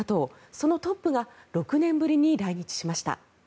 そのトップが６年ぶりに来日しました。